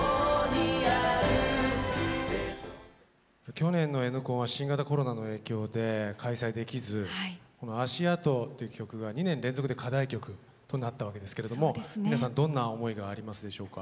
去年のＮコンは新型コロナの影響で開催できず「足跡」っていう曲が２年連続で課題曲となったわけですけれど皆さんどんな思いがありますでしょうか。